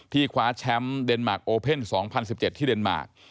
คว้าแชมป์เดนมาร์คโอเพ่น๒๐๑๗ที่เดนมาร์ค